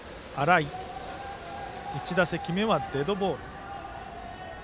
１打席目はデッドボール。